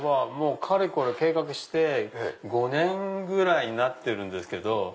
かれこれ計画して５年ぐらいになってるんですけど。